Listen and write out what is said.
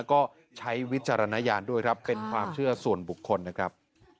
ก็ใช้วิจารณญาณด้วยครับเป็นความเชื่อส่วนบุคคลนะครับ